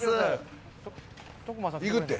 行くって。